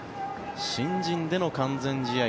新人での完全試合。